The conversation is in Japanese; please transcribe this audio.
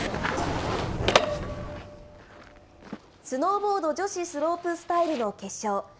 スノーボード女子スロープスタイルの決勝。